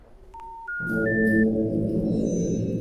হায়রে, তুমি তোমার জন্মদিনে মারা যাবে!